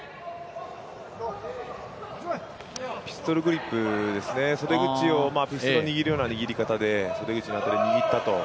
ピストルグリップですね、ピストルを握るような形で袖口の辺り握ったと。